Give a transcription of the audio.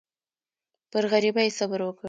پر غریبۍ یې صبر وکړ.